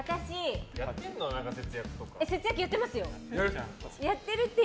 節約やってますよ。